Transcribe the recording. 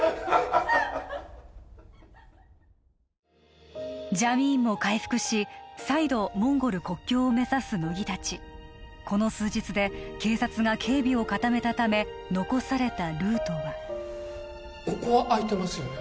ハハハジャミーンも回復し再度モンゴル国境を目指す乃木たちこの数日で警察が警備を固めたため残されたルートはここは空いてますよね